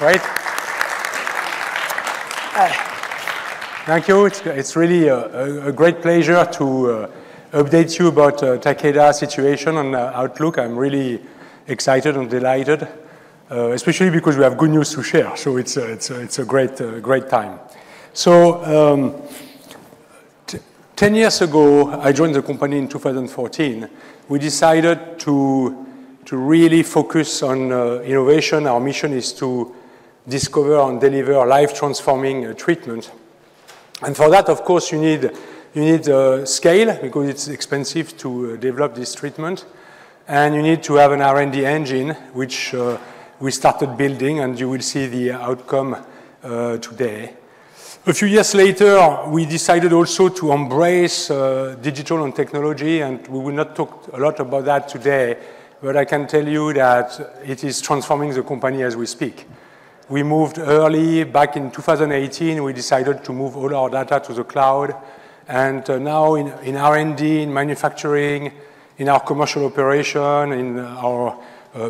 Right. Thank you. It's really a great pleasure to update you about the Takeda situation and the outlook. I'm really excited and delighted, especially because we have good news to share. So it's a great time. So, 10 years ago, I joined the company in 2014. We decided to really focus on innovation. Our mission is to discover and deliver life-transforming treatments. And for that, of course, you need scale because it's expensive to develop this treatment. And you need to have an R&D engine, which we started building, and you will see the outcome today. A few years later, we decided also to embrace digital and technology. And we will not talk a lot about that today, but I can tell you that it is transforming the company as we speak. We moved early back in 2018. We decided to move all our data to the cloud. And now, in R&D, in manufacturing, in our commercial operation, in our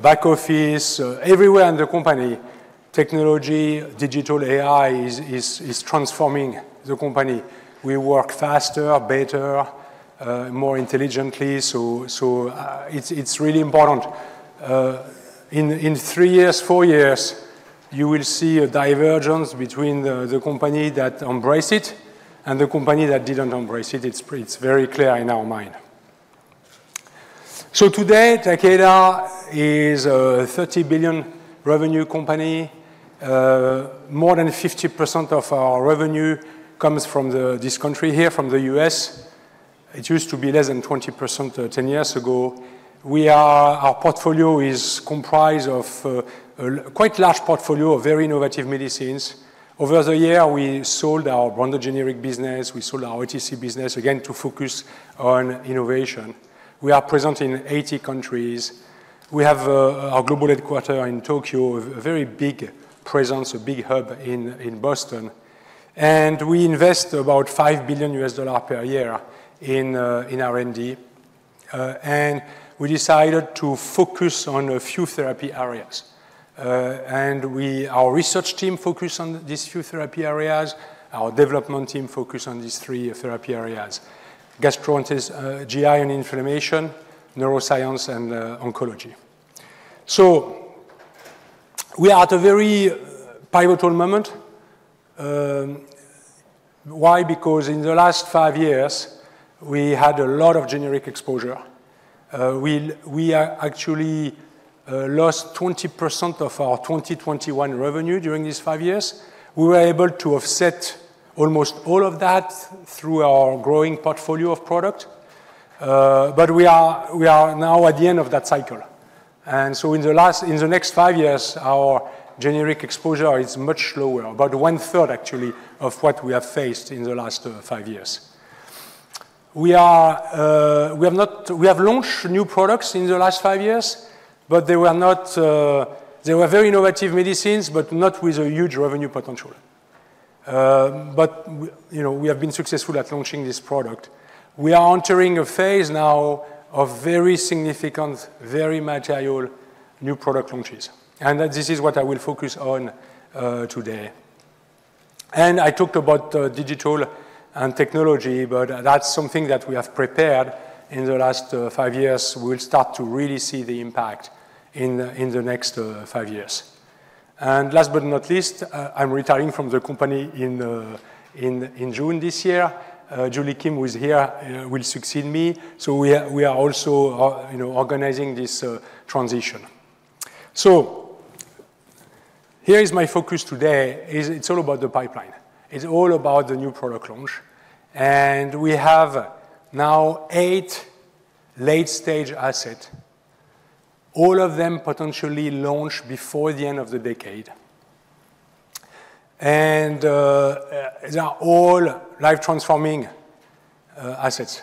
back office, everywhere in the company, technology, digital AI is transforming the company. We work faster, better, more intelligently. So it's really important. In three years, four years, you will see a divergence between the company that embraced it and the company that didn't embrace it. It's very clear in our mind. So today, Takeda is a $30 billion revenue company. More than 50% of our revenue comes from this country here, from the U.S. It used to be less than 20% 10 years ago. Our portfolio is comprised of a quite large portfolio of very innovative medicines. Over the year, we sold our branded generic business. We sold our OTC business, again, to focus on innovation. We are present in 80 countries. We have our global headquarters in Tokyo, a very big presence, a big hub in Boston, and we invest about $5 billion per year in R&D, and we decided to focus on a few therapy areas, and our research team focused on these few therapy areas. Our development team focused on these three therapy areas: gastroenterology, GI and inflammation, neuroscience, and oncology, so we are at a very pivotal moment. Why? Because in the last five years, we had a lot of generic exposure. We actually lost 20% of our 2021 revenue during these five years. We were able to offset almost all of that through our growing portfolio of product, but we are now at the end of that cycle, and so in the next five years, our generic exposure is much lower, about 1/3, actually, of what we have faced in the last five years. We have launched new products in the last five years, but they were very innovative medicines, but not with a huge revenue potential. But we have been successful at launching this product. We are entering a phase now of very significant, very material new product launches. And this is what I will focus on today. And I talked about digital and technology, but that's something that we have prepared in the last five years. We will start to really see the impact in the next five years. And last but not least, I'm retiring from the company in June this year. Julie Kim was here, will succeed me. So we are also organizing this transition. So here is my focus today. It's all about the pipeline. It's all about the new product launch. We have now eight late-stage assets, all of them potentially launched before the end of the decade. They are all life-transforming assets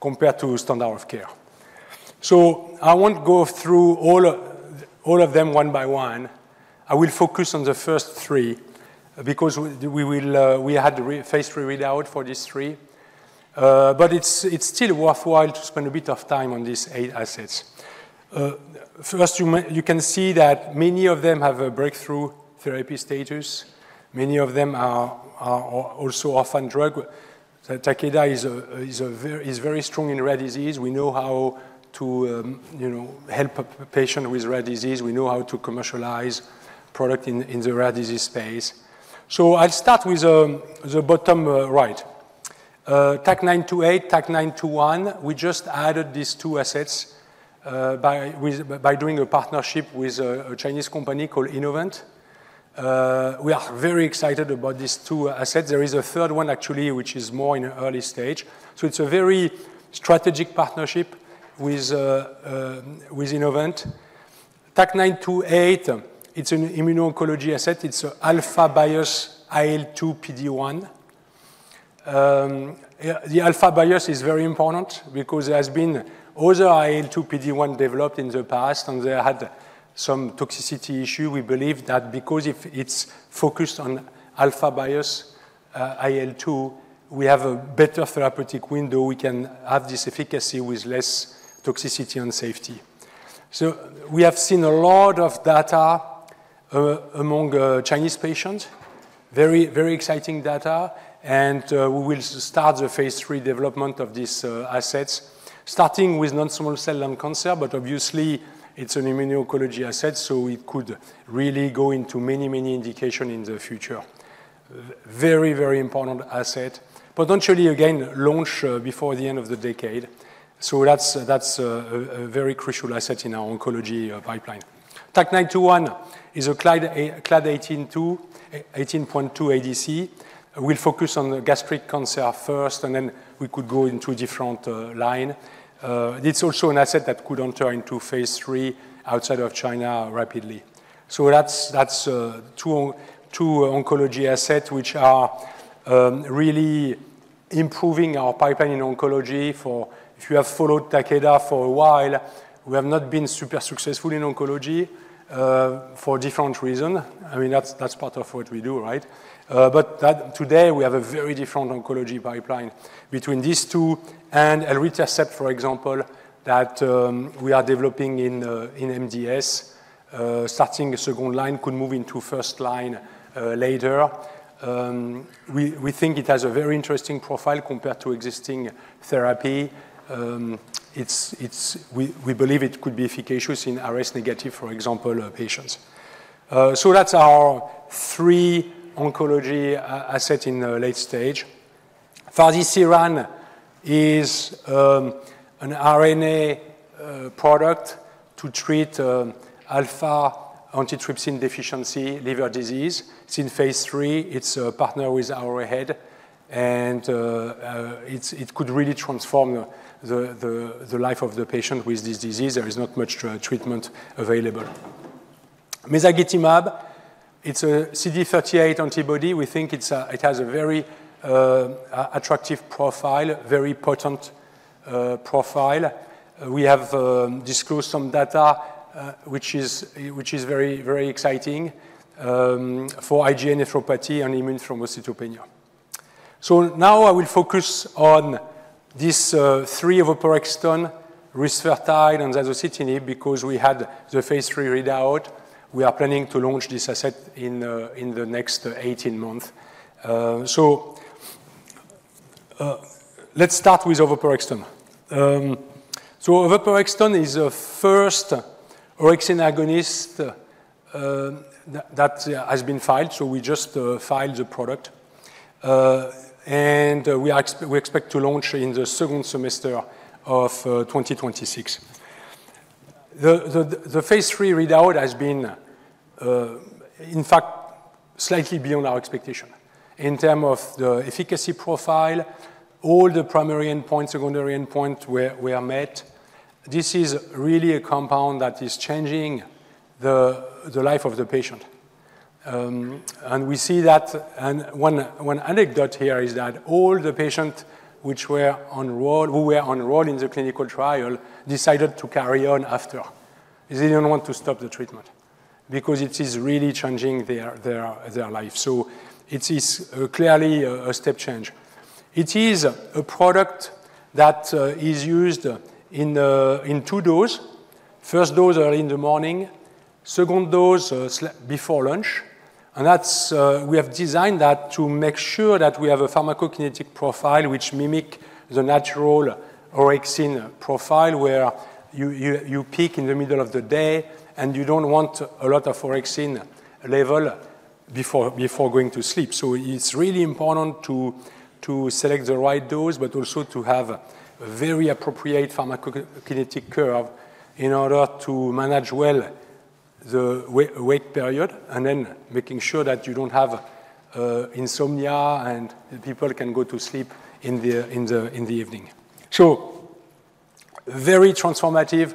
compared to standard of care. I won't go through all of them one by one. I will focus on the first three because we had a phase III readout for these three. It is still worthwhile to spend a bit of time on these eight assets. First, you can see that many of them have a breakthrough therapy status. Many of them are also orphan drug. Takeda is very strong in rare disease. We know how to help a patient with rare disease. We know how to commercialize product in the rare disease space. I'll start with the bottom right. TAK-928, TAK-921, we just added these two assets by doing a partnership with a Chinese company called Innovent. We are very excited about these two assets. There is a third one, actually, which is more in early stage. So it's a very strategic partnership with Innovent. TAK-928, it's an immuno-oncology asset. It's alpha-biased IL-2 PD-1. The alpha-biased is very important because there have been other IL-2 PD-1 developed in the past, and they had some toxicity issues. We believe that because it's focused on alpha-biased IL-2, we have a better therapeutic window. We can have this efficacy with less toxicity and safety. So we have seen a lot of data among Chinese patients, very exciting data, and we will start the phase III development of these assets, starting with non-small cell lung cancer, but obviously, it's an immuno-oncology asset, so it could really go into many, many indications in the future. Very, very important asset. Potentially, again, launch before the end of the decade. That's a very crucial asset in our oncology pipeline. TAK-921 is a Claudin 18.2 ADC. We'll focus on gastric cancer first, and then we could go into a different line. It's also an asset that could enter into phase III outside of China rapidly. That's two oncology assets which are really improving our pipeline in oncology. If you have followed Takeda for a while, we have not been super successful in oncology for different reasons. I mean, that's part of what we do, right? But today, we have a very different oncology pipeline between these two and Elritercept, for example, that we are developing in MDS. Starting the second line could move into first line later. We think it has a very interesting profile compared to existing therapy. We believe it could be efficacious in RS-negative, for example, patients. That's our three oncology assets in late-stage. Fazirsiran is an RNA product to treat alpha-1 antitrypsin deficiency liver disease. It's in phase III. It's a partnership with Arrowhead. And it could really transform the life of the patient with this disease. There is not much treatment available. Mezagitamab, it's a CD38 antibody. We think it has a very attractive profile, very potent profile. We have disclosed some data, which is very exciting for IgA nephropathy and immune thrombocytopenia. So now I will focus on these three: oveporexton, rusfertide, and zasocitinib because we had the phase III readout. We are planning to launch this asset in the next 18 months. So let's start with oveporexton. So oveporexton is the first orexin agonist that has been filed. So we just filed the product. And we expect to launch in the second semester of 2026. The phase III readout has been, in fact, slightly beyond our expectation in terms of the efficacy profile. All the primary endpoints, secondary endpoints were met. This is really a compound that is changing the life of the patient. And we see that one anecdote here is that all the patients who were enrolled in the clinical trial decided to carry on after. They didn't want to stop the treatment because it is really changing their life. So it is clearly a step change. It is a product that is used in two doses. First dose early in the morning, second dose before lunch. And we have designed that to make sure that we have a pharmacokinetic profile which mimics the natural orexin profile where you peak in the middle of the day, and you don't want a lot of orexin level before going to sleep. So it's really important to select the right dose, but also to have a very appropriate pharmacokinetic curve in order to manage well the wake period and then making sure that you don't have insomnia and people can go to sleep in the evening. So very transformative.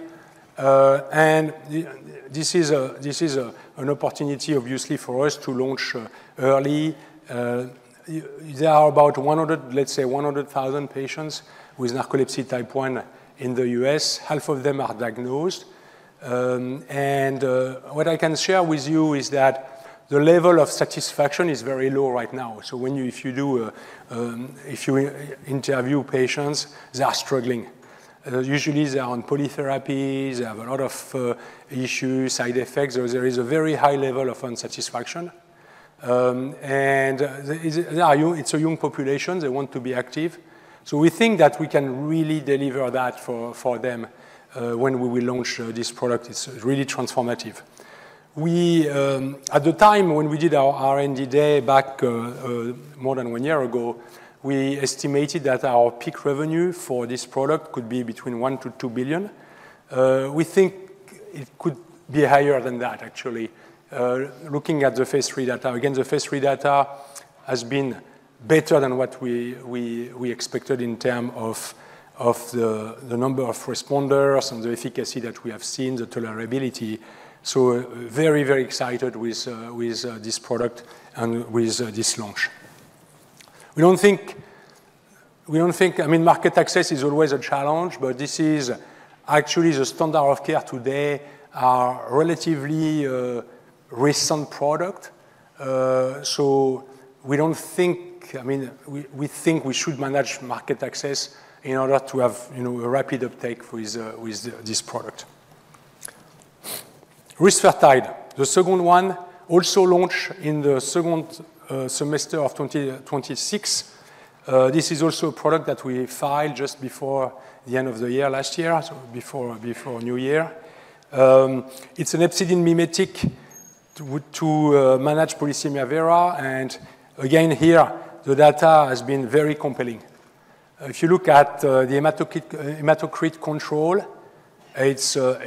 And this is an opportunity, obviously, for us to launch early. There are about, let's say, 100,000 patients with narcolepsy type 1 in the U.S. Half of them are diagnosed. And what I can share with you is that the level of satisfaction is very low right now. So if you interview patients, they are struggling. Usually, they are on polytherapy. They have a lot of issues, side effects. There is a very high level of dissatisfaction. And it's a young population. They want to be active. So we think that we can really deliver that for them when we launch this product. It's really transformative. At the time when we did our R&D Day back more than one year ago, we estimated that our peak revenue for this product could be between $1 billion-$2 billion. We think it could be higher than that, actually, looking at the phase III data. Again, the phase III data has been better than what we expected in terms of the number of responders and the efficacy that we have seen, the tolerability. So very, very excited with this product and with this launch. We don't think, I mean, market access is always a challenge, but this is actually the standard of care today, a relatively recent product. So we don't think, I mean, we think we should manage market access in order to have a rapid uptake with this product. Rusfertide, the second one, also launched in the second semester of 2026. This is also a product that we filed just before the end of the year last year, before New Year. It's hepcidin mimetic to manage polycythemia vera, and again, here, the data has been very compelling. If you look at the hematocrit control, it's a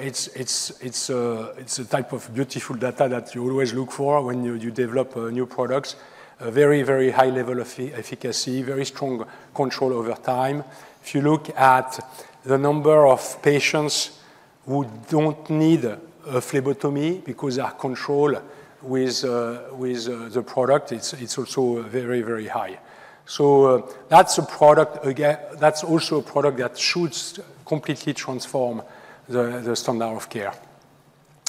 type of beautiful data that you always look for when you develop new products. Very, very high level of efficacy, very strong control over time. If you look at the number of patients who don't need a phlebotomy because they are controlled with the product, it's also very, very high, so that's a product that's also a product that should completely transform the standard of care,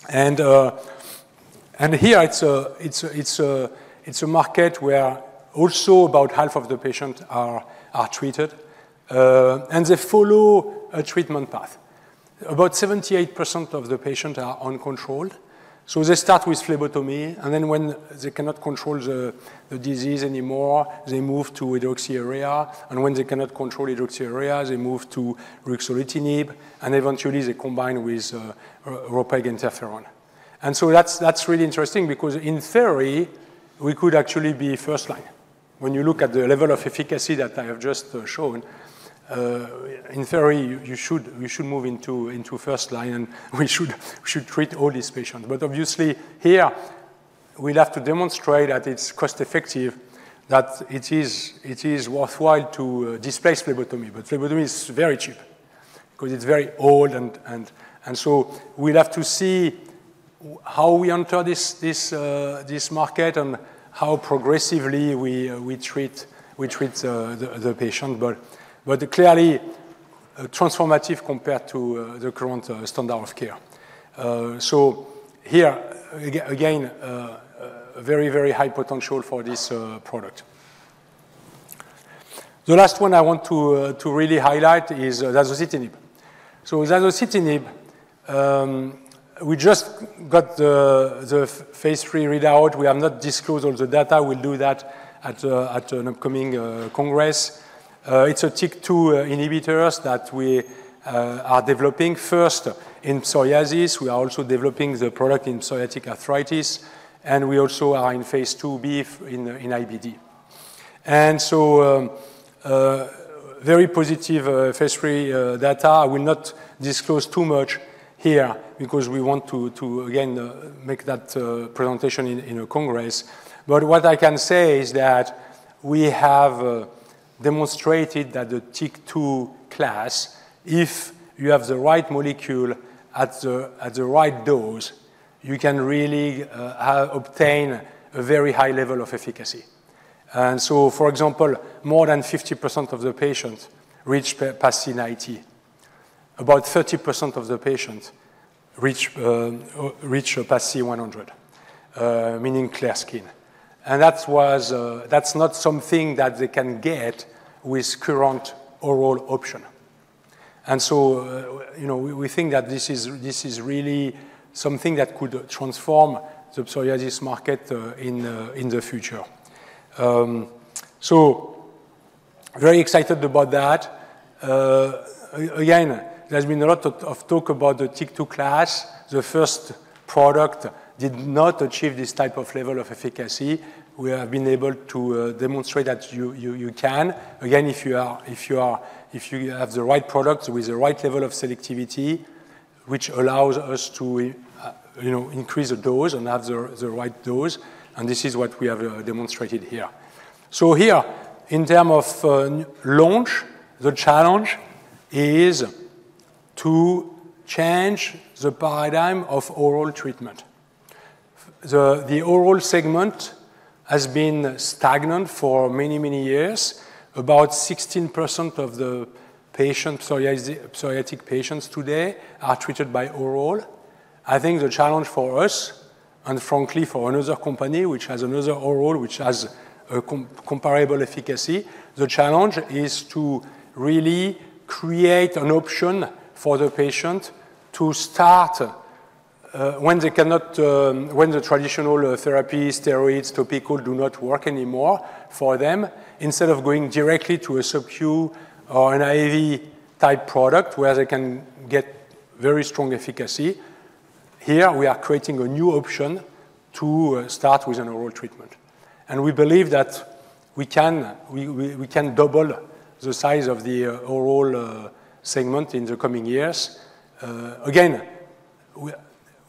and here, it's a market where also about half of the patients are treated, and they follow a treatment path. About 78% of the patients are uncontrolled, so they start with phlebotomy. And then when they cannot control the disease anymore, they move to hydroxyurea. And when they cannot control hydroxyurea, they move to ruxolitinib. And eventually, they combine with ropeginterferon. And so that's really interesting because in theory, we could actually be first line. When you look at the level of efficacy that I have just shown, in theory, we should move into first line, and we should treat all these patients. But obviously, here, we'll have to demonstrate that it's cost-effective, that it is worthwhile to displace phlebotomy. But phlebotomy is very cheap because it's very old. And so we'll have to see how we enter this market and how progressively we treat the patient. But clearly, transformative compared to the current standard of care. So here, again, very, very high potential for this product. The last one I want to really highlight is zasocitinib. Zasocitinib, we just got the phase III readout. We have not disclosed all the data. We'll do that at an upcoming congress. It's a TYK2 inhibitor that we are developing. First, in psoriasis, we are also developing the product in psoriatic arthritis. And we also are phase II-B in IBD. And so very positive phase III data. I will not disclose too much here because we want to, again, make that presentation in a congress. But what I can say is that we have demonstrated that the TYK2 class, if you have the right molecule at the right dose, you can really obtain a very high level of efficacy. And so, for example, more than 50% of the patients reach PASI 90. About 30% of the patients reach PASI 100, meaning clear skin. And that's not something that they can get with current oral option. And so we think that this is really something that could transform the psoriasis market in the future. So very excited about that. Again, there's been a lot of talk about the TYK2 class. The first product did not achieve this type of level of efficacy. We have been able to demonstrate that you can. Again, if you have the right product with the right level of selectivity, which allows us to increase the dose and have the right dose. And this is what we have demonstrated here. So here, in terms of launch, the challenge is to change the paradigm of oral treatment. The oral segment has been stagnant for many, many years. About 16% of the patients, psoriatic patients today, are treated by oral. I think the challenge for us, and frankly, for another company which has another oral which has comparable efficacy, the challenge is to really create an option for the patient to start when the traditional therapies, steroids, topical do not work anymore for them, instead of going directly to a subQ or an IV-type product where they can get very strong efficacy. Here, we are creating a new option to start with an oral treatment, and we believe that we can double the size of the oral segment in the coming years. Again,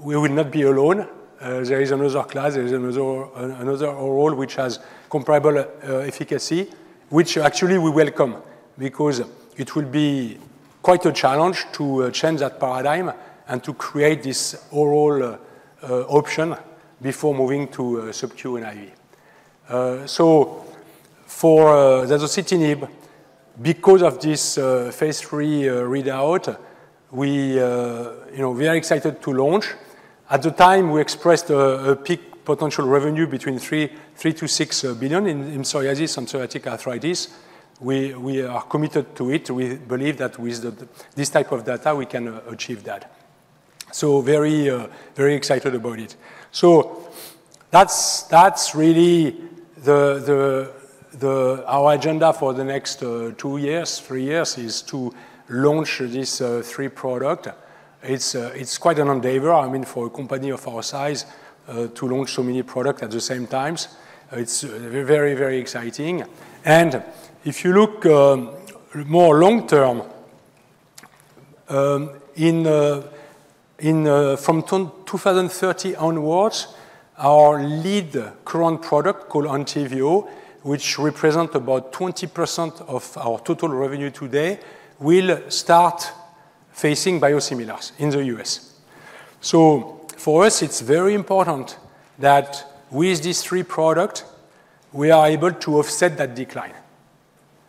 we will not be alone. There is another class. There is another oral which has comparable efficacy, which actually we welcome because it will be quite a challenge to change that paradigm and to create this oral option before moving to subQ and IV. So for zasocitinib, because of this phase III readout, we are excited to launch. At the time, we expressed a peak potential revenue between three to six billion in psoriasis and psoriatic arthritis. We are committed to it. We believe that with this type of data, we can achieve that. So very excited about it. So that's really our agenda for the next two years, three years, is to launch this three product. It's quite an endeavor, I mean, for a company of our size to launch so many products at the same time. It's very, very exciting. And if you look more long term, from 2030 onwards, our lead current product called ENTYVIO, which represents about 20% of our total revenue today, will start facing biosimilars in the U.S. So for us, it's very important that with this three product, we are able to offset that decline,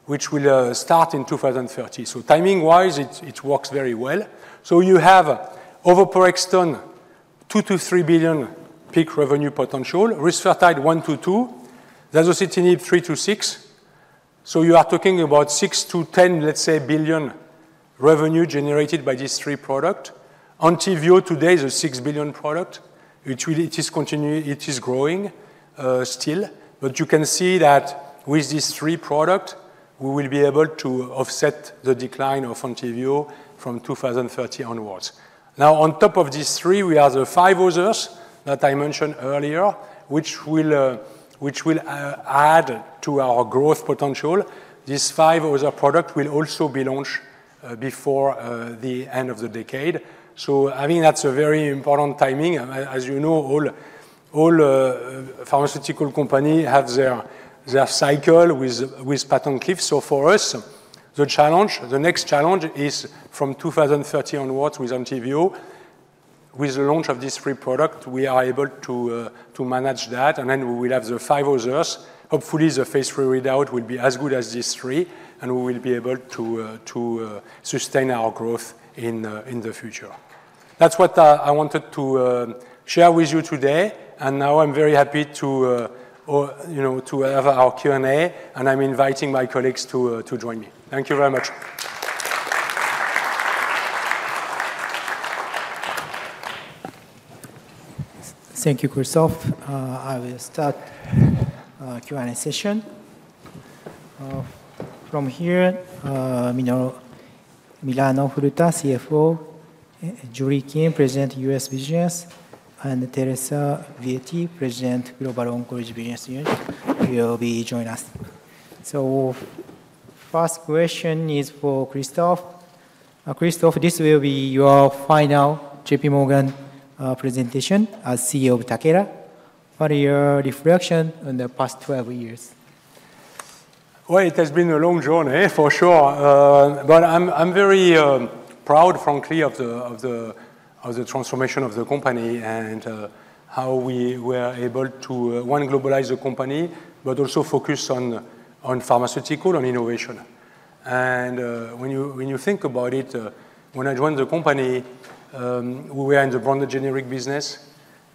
which will start in 2030. So timing-wise, it works very well. So you have oveporexton, $2 billion-$3 billion peak revenue potential, rusfertide $1 billion-$2 billion, zasocitinib $3 billion-$6 billion. So you are talking about $6 billion-$10 billion, let's say, revenue generated by this three product. ENTYVIO today is a $6 billion product. It is growing still. But you can see that with this three product, we will be able to offset the decline of ENTYVIO from 2030 onwards. Now, on top of these three, we are the five others that I mentioned earlier, which will add to our growth potential. This five other product will also be launched before the end of the decade. So I mean, that's a very important timing. As you know, all pharmaceutical companies have their cycle with patent cliffs. So for us, the next challenge is from 2030 onwards with ENTYVIO. With the launch of these three products, we are able to manage that. And then we will have the five others. Hopefully, the phase III readout will be as good as these three, and we will be able to sustain our growth in the future. That's what I wanted to share with you today. And now I'm very happy to have our Q&A. And I'm inviting my colleagues to join me. Thank you very much. Thank you, Christophe. I will start Q&A session. From here, Milano Furuta, CFO, Julie Kim, President U.S. Business, and Teresa Bitetti, President Global Oncology Business Unit, will be joining us. So first question is for Christophe. Christophe, this will be your final JPMorgan presentation as CEO of Takeda. What are your reflections on the past 12 years? It has been a long journey, for sure. I'm very proud, frankly, of the transformation of the company and how we were able to, one, globalize the company, but also focus on pharmaceutical and innovation. When you think about it, when I joined the company, we were in the broader generic business,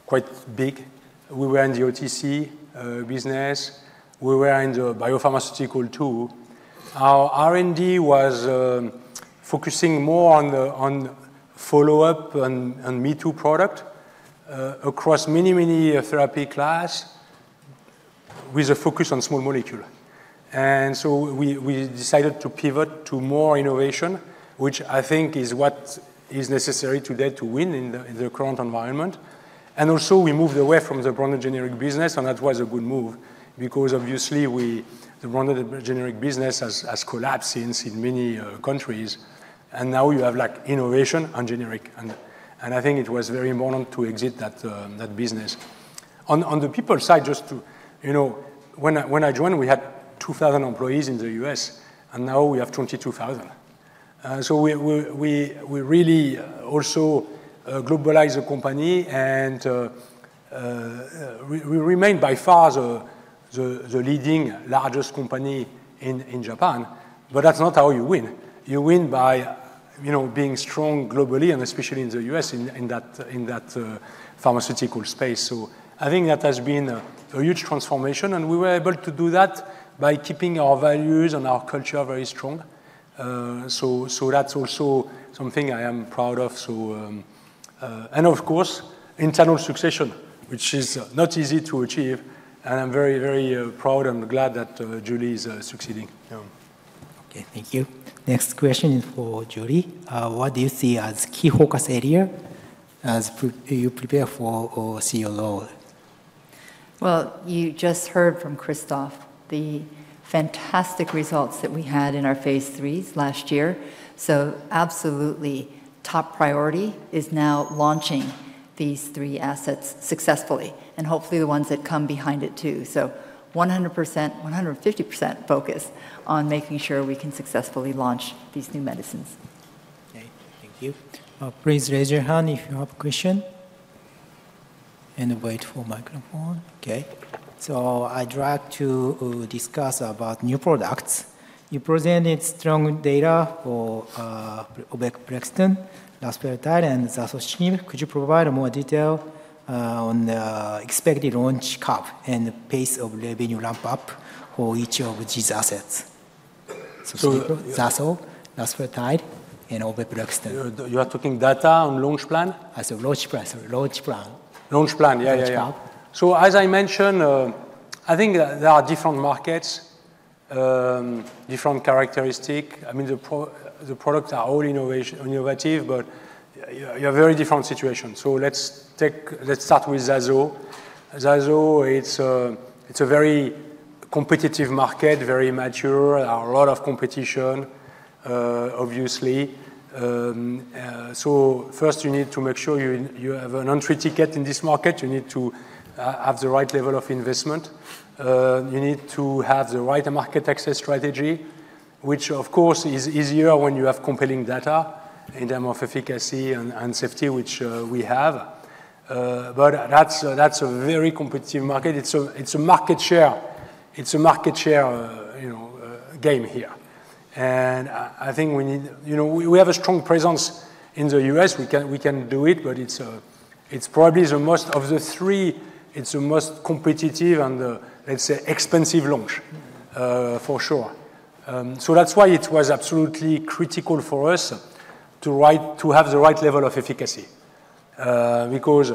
quite big. We were in the OTC business. We were in the biopharmaceutical too. Our R&D was focusing more on follow-up and me-too product across many, many therapy classes with a focus on small molecules. We decided to pivot to more innovation, which I think is what is necessary today to win in the current environment. We moved away from the broader generic business. That was a good move because, obviously, the broader generic business has collapsed since in many countries. Now you have innovation and generic. And I think it was very important to exit that business. On the people side, just to when I joined, we had 2,000 employees in the U.S. And now we have 22,000. So we really also globalized the company. And we remain, by far, the leading largest company in Japan. But that's not how you win. You win by being strong globally, and especially in the U.S., in that pharmaceutical space. So I think that has been a huge transformation. And we were able to do that by keeping our values and our culture very strong. So that's also something I am proud of. And of course, internal succession, which is not easy to achieve. And I'm very, very proud and glad that Julie is succeeding. Okay. Thank you. Next question is for Julie. What do you see as key focus area as you prepare for CLO? You just heard from Christophe the fantastic results that we had in our phase IIIs last year. Absolutely, top priority is now launching these three assets successfully, and hopefully the ones that come behind it too. 100%, 150% focus on making sure we can successfully launch these new medicines. Okay. Thank you. Please raise your hand if you have a question and wait for microphone. Okay. So I'd like to discuss about new products. You presented strong data for oveporexton, rusfertide, and zasocitinib. Could you provide more detail on the expected launch cap and pace of revenue ramp-up for each of these assets? So zaso, rusfertide, and oveporexton. You are talking data on launch plan? I said launch plan. Sorry. Launch plan. Launch plan. Yeah, yeah, yeah. So as I mentioned, I think there are different markets, different characteristics. I mean, the products are all innovative, but you have very different situations. So let's start with zaso. Zaso, it's a very competitive market, very mature. There are a lot of competition, obviously. So first, you need to make sure you have an entry ticket in this market. You need to have the right level of investment. You need to have the right market access strategy, which, of course, is easier when you have compelling data in terms of efficacy and safety, which we have. But that's a very competitive market. It's a market share. It's a market share game here. And I think we have a strong presence in the U.S. We can do it. It's probably the most of the three. It's the most competitive and, let's say, expensive launch, for sure. That's why it was absolutely critical for us to have the right level of efficacy because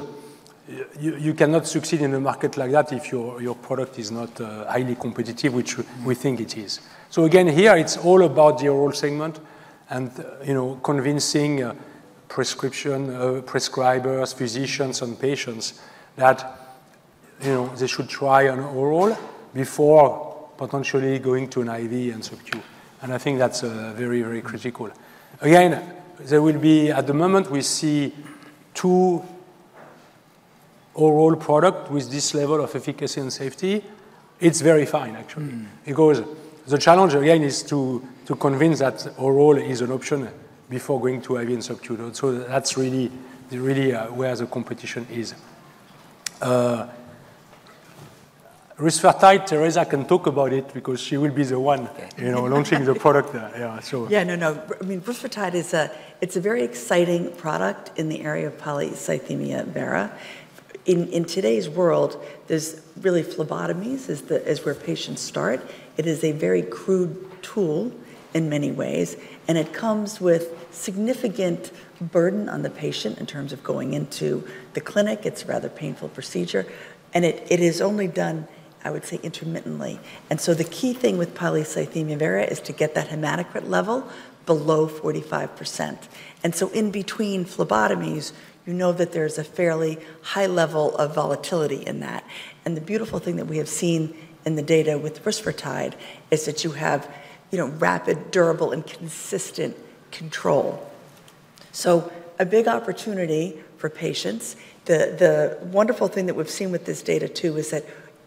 you cannot succeed in a market like that if your product is not highly competitive, which we think it is. Again, here, it's all about the oral segment and convincing prescribers, physicians, and patients that they should try an oral before potentially going to an IV and subQ. I think that's very, very critical. Again, there will be at the moment. We see two oral products with this level of efficacy and safety. It's very fine, actually. Because the challenge, again, is to convince that oral is an option before going to IV and subQ. That's really where the competition is. Rusfertide, Teresa, can talk about it because she will be the one launching the product. Yeah, so. Yeah. No, no. I mean, rusfertide, it's a very exciting product in the area of polycythemia vera. In today's world, there's really phlebotomy is where patients start. It is a very crude tool in many ways. And it comes with significant burden on the patient in terms of going into the clinic. It's a rather painful procedure. And it is only done, I would say, intermittently. And so the key thing with polycythemia vera is to get that hematocrit level below 45%. And so in between phlebotomies, you know that there's a fairly high level of volatility in that. And the beautiful thing that we have seen in the data with rusfertide is that you have rapid, durable, and consistent control. So a big opportunity for patients. The wonderful thing that we've seen with this data too is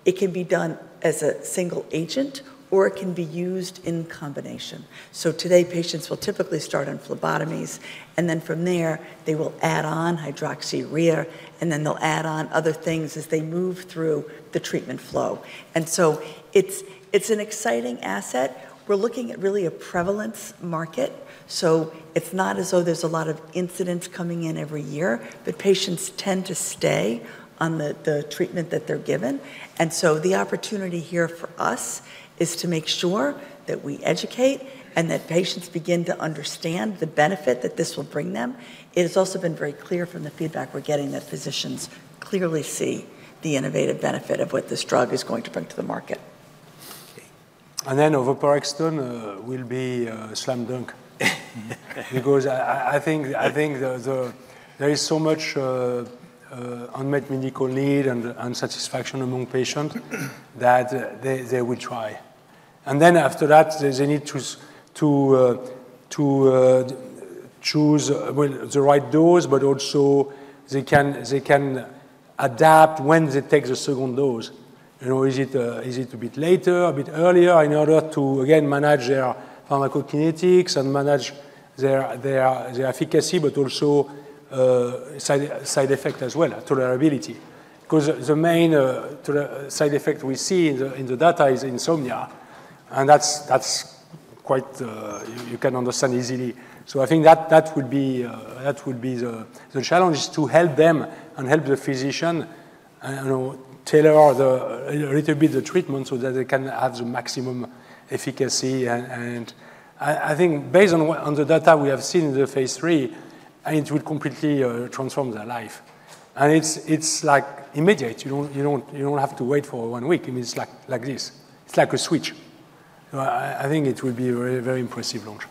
that it can be done as a single agent, or it can be used in combination, so today, patients will typically start on phlebotomies, and then from there, they will add on hydroxyurea, and then they'll add on other things as they move through the treatment flow, and so it's an exciting asset. We're looking at really a prevalence market, so it's not as though there's a lot of incidence coming in every year, but patients tend to stay on the treatment that they're given, and so the opportunity here for us is to make sure that we educate and that patients begin to understand the benefit that this will bring them. It has also been very clear from the feedback we're getting that physicians clearly see the innovative benefit of what this drug is going to bring to the market. And then over oveporexton, we'll be slam dunk because I think there is so much unmet medical need and satisfaction among patients that they will try. And then after that, they need to choose the right dose, but also they can adapt when they take the second dose. Is it a bit later, a bit earlier in order to, again, manage their pharmacokinetics and manage their efficacy, but also side effect as well, tolerability? Because the main side effect we see in the data is insomnia. And that's quite you can understand easily. So I think that would be the challenge is to help them and help the physician tailor a little bit the treatment so that they can have the maximum efficacy. And I think based on the data we have seen in the phase III, it will completely transform their life. And it's immediate. You don't have to wait for one week. I mean, it's like this. It's like a switch. I think it will be a very impressive launch.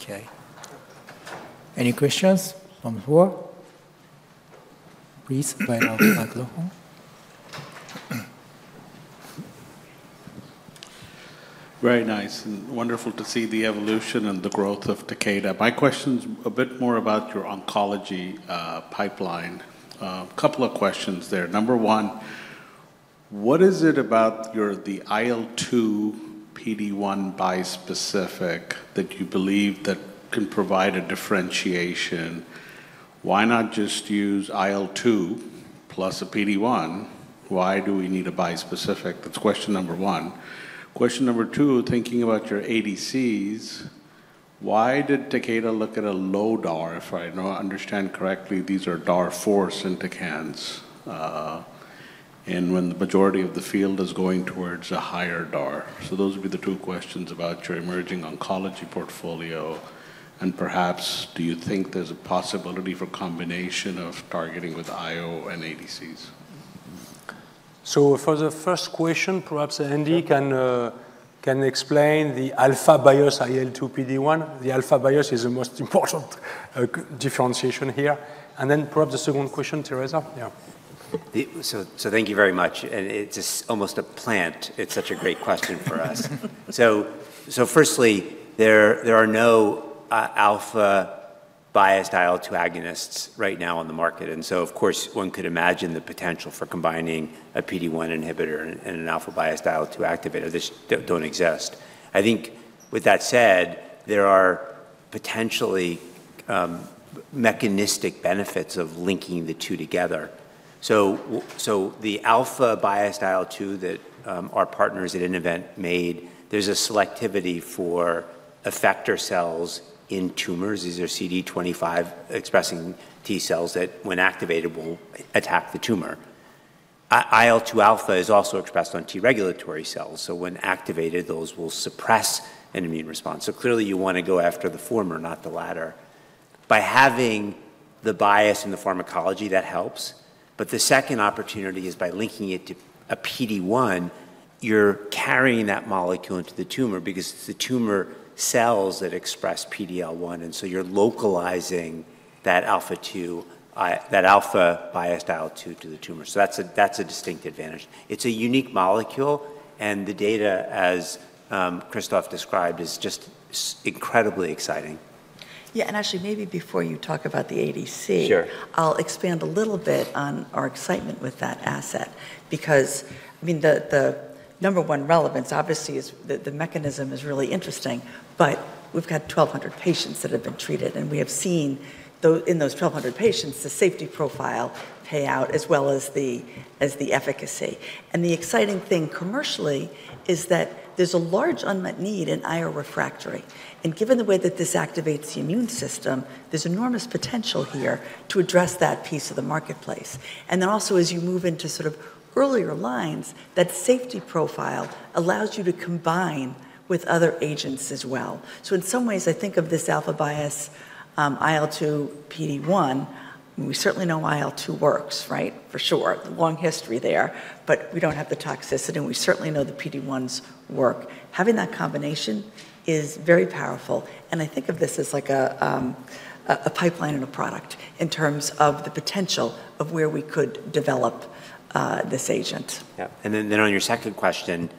Okay. Any questions from the floor? Please, very nice. Very nice. Wonderful to see the evolution and the growth of Takeda. My question's a bit more about your oncology pipeline. A couple of questions there. Number one, what is it about the IL-2 PD-1 bispecific that you believe can provide a differentiation? Why not just use IL-2 plus a PD-1? Why do we need a bispecific? That's question number one. Question number two, thinking about your ADCs, why did Takeda look at a low DAR? If I understand correctly, these are DAR 4 synthetics. And when the majority of the field is going towards a higher DAR. So those would be the two questions about your emerging oncology portfolio. And perhaps, do you think there's a possibility for combination of targeting with IO and ADCs? So for the first question, perhaps Andy can explain the alpha-biased IL-2 PD-1. The alpha-biased is the most important differentiation here. And then perhaps the second question, Teresa. Yeah. Thank you very much. It's almost a plant. It's such a great question for us. Firstly, there are no alpha-biased IL-2 agonists right now on the market. So, of course, one could imagine the potential for combining a PD-1 inhibitor and an alpha-biased IL-2 activator. They just don't exist. I think with that said, there are potentially mechanistic benefits of linking the two together. The alpha-biased IL-2 that our partners at Innovent made has a selectivity for effector cells in tumors. These are CD25 expressing T cells that, when activated, will attack the tumor. IL-2 alpha is also expressed on T regulatory cells. When activated, those will suppress an immune response. Clearly, you want to go after the former, not the latter. By having the bias in the pharmacology, that helps. But the second opportunity is by linking it to a PD-1, you're carrying that molecule into the tumor because it's the tumor cells that express PD-L1. And so you're localizing that alpha-biased IL-2 to the tumor. So that's a distinct advantage. It's a unique molecule. And the data, as Christophe described, is just incredibly exciting. Yeah. Actually, maybe before you talk about the ADC, I'll expand a little bit on our excitement with that asset because, I mean, the number one relevance, obviously, is the mechanism is really interesting, but we've got 1,200 patients that have been treated. And we have seen in those 1,200 patients, the safety profile play out as well as the efficacy. And the exciting thing commercially is that there's a large unmet need in IO refractory. And given the way that this activates the immune system, there's enormous potential here to address that piece of the marketplace. And then also, as you move into sort of earlier lines, that safety profile allows you to combine with other agents as well. So in some ways, I think of this alpha-biased IL-2 PD-1. We certainly know IL-2 works, right, for sure. Long history there. But we don't have the toxicity. We certainly know the PD-1s work. Having that combination is very powerful. I think of this as like a pipeline and a product in terms of the potential of where we could develop this agent. Yeah. And then on your second question,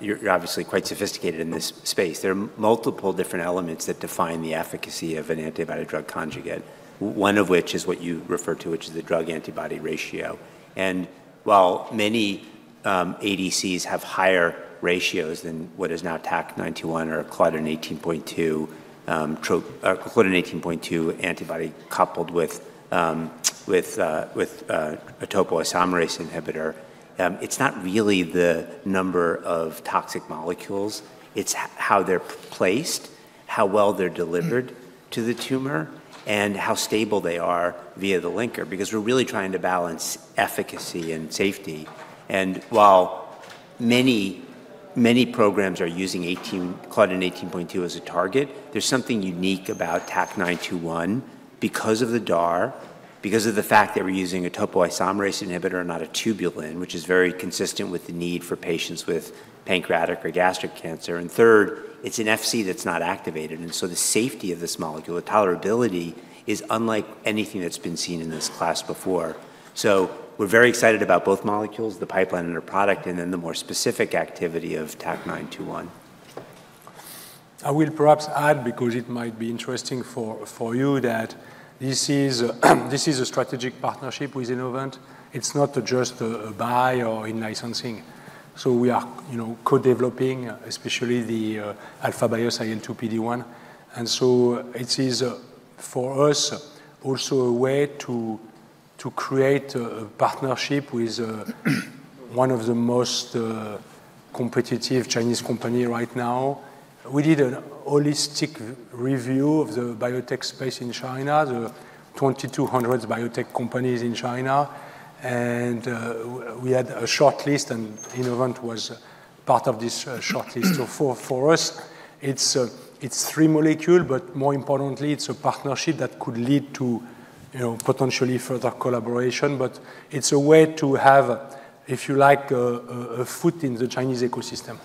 you're obviously quite sophisticated in this space. There are multiple different elements that define the efficacy of an antibody-drug conjugate, one of which is what you refer to, which is the drug-antibody ratio. And while many ADCs have higher ratios than what is now TAK-921 or Claudin 18.2 antibody coupled with a topoisomerase inhibitor, it's not really the number of toxic molecules. It's how they're placed, how well they're delivered to the tumor, and how stable they are via the linker because we're really trying to balance efficacy and safety. And while many programs are using Claudin 18.2 as a target, there's something unique about TAK-921 because of the DAR, because of the fact that we're using a topoisomerase inhibitor and not a tubulin, which is very consistent with the need for patients with pancreatic or gastric cancer. And third, it's an Fc that's not activated. And so the safety of this molecule, tolerability, is unlike anything that's been seen in this class before. So we're very excited about both molecules, the pipeline and the product, and then the more specific activity of TAK-921. I will perhaps add, because it might be interesting for you, that this is a strategic partnership with Innovent. It's not just a buy or in licensing, so we are co-developing, especially the alpha-biased IL-2 PD-1, and so it is, for us, also a way to create a partnership with one of the most competitive Chinese companies right now. We did a holistic review of the biotech space in China, the 2,200 biotech companies in China, and we had a shortlist, and Innovent was part of this shortlist, so for us, it's three molecules, but more importantly, it's a partnership that could lead to potentially further collaboration, but it's a way to have, if you like, a foot in the Chinese ecosystem.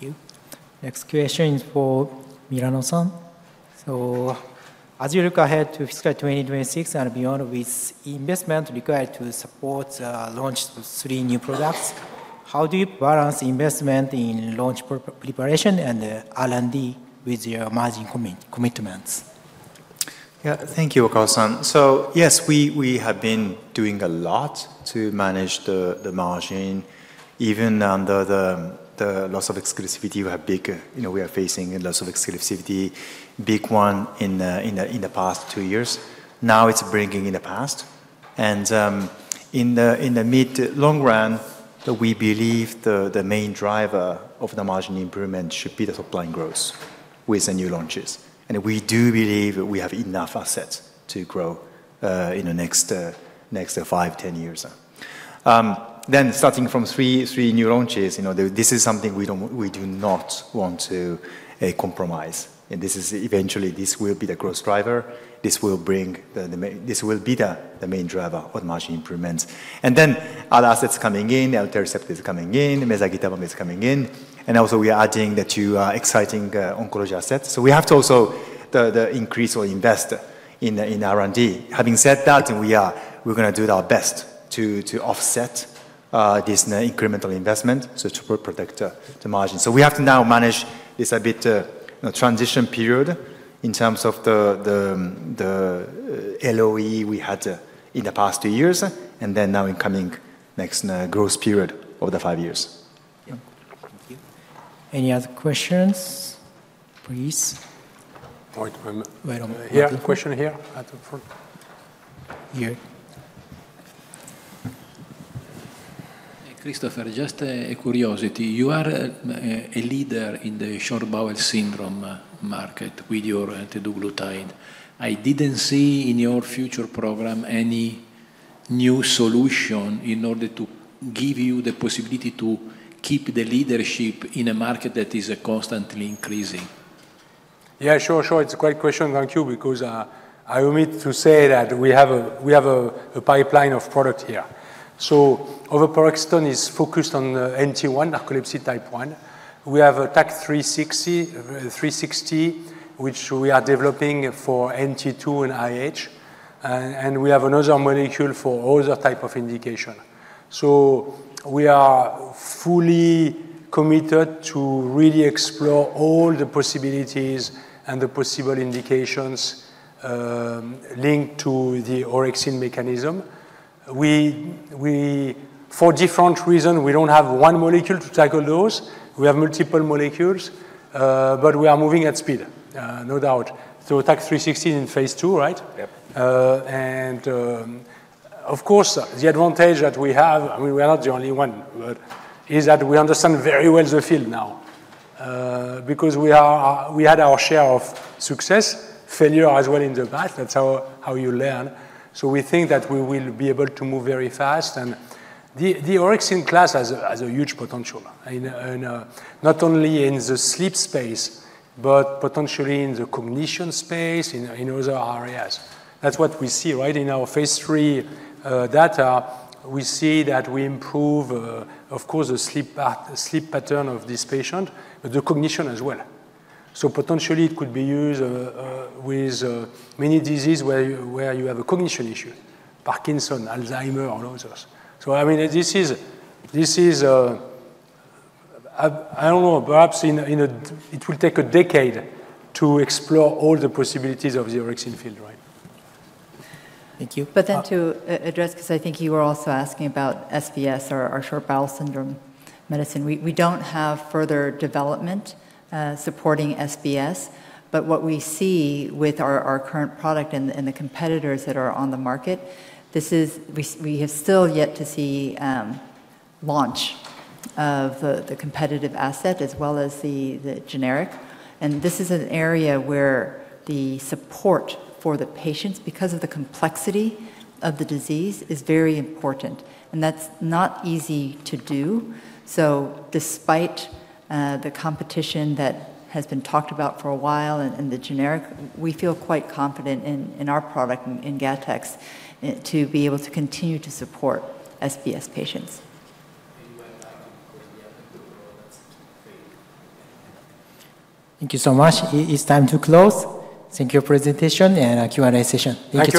Thank you. Next question is for Milano-san. So as you look ahead to fiscal 2026 and beyond, with investment required to support launch three new products, how do you balance investment in launch preparation and R&D with your margin commitments? Yeah. Thank you, Oka-san. So yes, we have been doing a lot to manage the margin. Even under the loss of exclusivity, we have faced a loss of exclusivity, big one in the past two years. Now it's in the past, and in the mid-long run, we believe the main driver of the margin improvement should be the supply and growth with the new launches. And we do believe we have enough assets to grow in the next five, 10 years, then starting from three new launches, this is something we do not want to compromise. And eventually, this will be the growth driver. This will be the main driver of margin improvements, and then other assets coming in. Elritercept coming in. Mezagitamab is coming in. And also, we are adding the two exciting oncology assets, so we have to also increase or invest in R&D. Having said that, we're going to do our best to offset this incremental investment to protect the margin, so we have to now manage this a bit transition period in terms of the LOE we had in the past two years, and then now incoming next growth period over the five years. Thank you. Any other questions, please? Wait a moment. Yeah, question here. Here. Christophe, just a curiosity. You are a leader in the short bowel syndrome market with your teduglutide. I didn't see in your future program any new solution in order to give you the possibility to keep the leadership in a market that is constantly increasing. Yeah, sure, sure. It's a great question, thank you, because I omit to say that we have a pipeline of product here. So oveporexton, it's focused on NT1, narcolepsy type 1. We have TAK-360, which we are developing for NT2 and IH. And we have another molecule for other types of indication. So we are fully committed to really explore all the possibilities and the possible indications linked to the orexin mechanism. For different reasons, we don't have one molecule to tackle those. We have multiple molecules. But we are moving at speed, no doubt. So TAK-360 is in phase II, right? And of course, the advantage that we have - I mean, we are not the only one - is that we understand very well the field now because we had our share of success, failure as well in the past. That's how you learn. We think that we will be able to move very fast. The orexin class has a huge potential, not only in the sleep space, but potentially in the cognition space, in other areas. That's what we see, right? In our phase III data, we see that we improve, of course, the sleep pattern of this patient, but the cognition as well. Potentially, it could be used with many diseases where you have a cognition issue: Parkinson's, Alzheimer's, and others. I mean, this is, I don't know. Perhaps it will take a decade to explore all the possibilities of the orexin field, right? Thank you. But then to address, because I think you were also asking about SBS, our short bowel syndrome medicine, we don't have further development supporting SBS. But what we see with our current product and the competitors that are on the market, we have still yet to see launch of the competitive asset as well as the generic. And this is an area where the support for the patients, because of the complexity of the disease, is very important. And that's not easy to do. So despite the competition that has been talked about for a while and the generic, we feel quite confident in our product in GATTEX to be able to continue to support SBS patients. Thank you so much. It's time to close. Thank you for your presentation and Q&A session. Thank you.